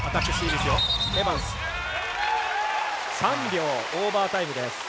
３秒オーバータイムです。